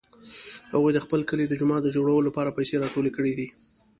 هغوی د خپل کلي د جومات د جوړولو لپاره پیسې راټولې کړې دي